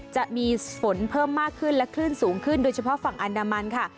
จะมีฝนเพิ่มมากขึ้นและคลื่นสูงขึ้นโดยเฉพาะฝั่งอันดามันค่ะ